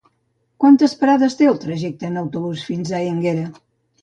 Quantes parades té el trajecte en autobús fins a Énguera?